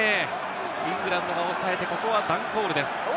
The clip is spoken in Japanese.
イングランドが押さえて、ここはダン・コールです。